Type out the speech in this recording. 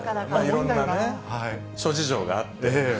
いろんな諸事情があって。